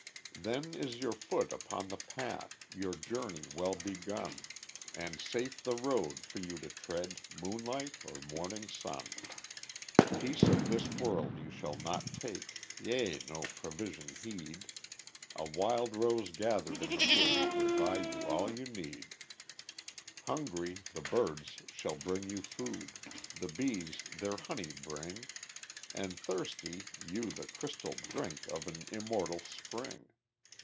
Then is your foot upon the path, Your journey well begun, And safe the road for you to tread, Moonlight or morning sun. Pence of this world you shall not take, Yea! no provision heed; A wild rose gathered in the wood Will buy you all you need. Hungry, the birds shall bring you food, The bees their honey bring; And, thirsty, you the crystal drink Of an immortal spring.